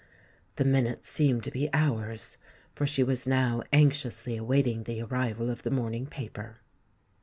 The minutes seemed to be hours; for she was now anxiously awaiting the arrival of the morning paper.